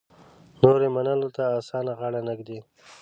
نور یې منلو ته اسانه غاړه نه ږدي.